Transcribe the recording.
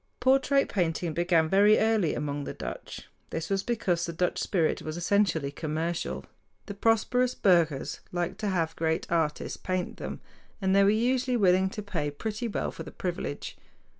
Portrait painting began very early among the Dutch. This was because the Dutch spirit was essentially commercial. The prosperous burghers liked to have great artists paint them, and they were usually willing to pay pretty well for the privilege.